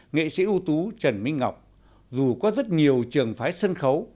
nghệ sĩ ưu tú trần minh ngọc dù có rất nhiều trường phái sân khấu